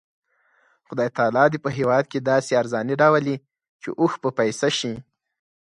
خدای تعالی دې په هېواد کې داسې ارزاني راولي چې اوښ په پیسه شي.